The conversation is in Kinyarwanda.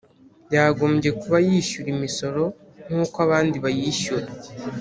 Yagombye kuba yishyura imisoro nkuko abandi bayishyura